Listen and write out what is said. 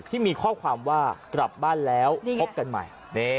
ที่มีข้อความว่ากลับบ้านแล้วพบกันใหม่